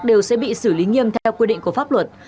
đều sẽ bị xử lý nghiêm theo quy định của pháp luật